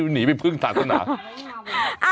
หนีไปพึ่งศาสนา